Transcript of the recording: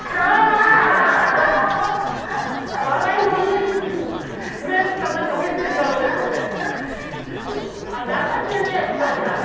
バラエティチックに、うらやしきさん、何かメッセージがあるということです。